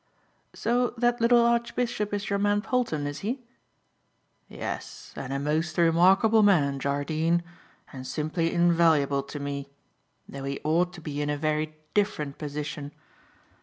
"So that little archbishop is your man Polton, is he?" "Yes; and a most remarkable man, Jardine, and simply invaluable to me, though he ought to be in a very different position.